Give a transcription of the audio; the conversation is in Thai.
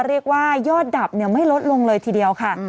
เรียกว่ายอดดับไม่ลดลงเลยทีเดียวค่ะ